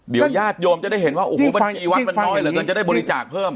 เดี๋ยวญาติโยมจะได้เห็นว่าโอ้โหบัญชีวัดมันน้อยเหลือเกินจะได้บริจาคเพิ่ม